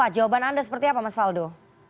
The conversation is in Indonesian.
jawaban anda seperti apa mas faldo